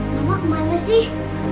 mama kemana sih